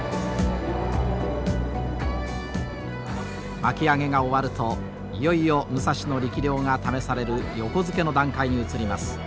巻き上げが終わるといよいよ武蔵の力量が試される横付けの段階に移ります。